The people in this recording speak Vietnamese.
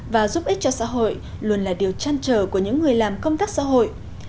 và giúp ích cho xã hội luôn là điều chăn trở của những người làm công tác xã hội